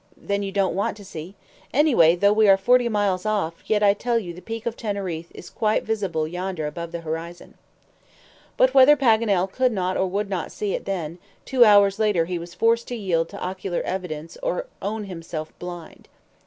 "Then you don't want to see. Anyway, though we are forty miles off, yet I tell you the Peak of Teneriffe is quite visible yonder above the horizon." But whether Paganel could not or would not see it then, two hours later he was forced to yield to ocular evidence or own himself blind.